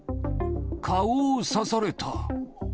顔を刺された。